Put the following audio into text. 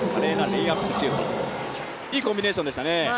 いいコンビネーションでしたね。